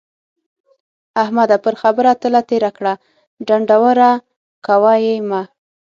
احمده! پر خبره تله تېره کړه ـ ډنډوره کوه يې مه.